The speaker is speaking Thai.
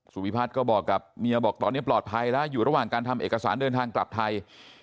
วิพัฒน์ก็บอกกับเมียบอกตอนนี้ปลอดภัยแล้วอยู่ระหว่างการทำเอกสารเดินทางกลับไทย